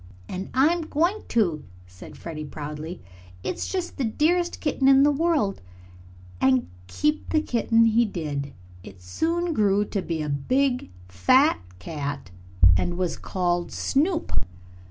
"And I'm going to," said Freddie proudly. "It's just the dearest kitten in the world." And keep the kitten he did. It soon grew to be a big, fat cat and was called Snoop.